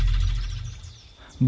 kau melepaskan mowgli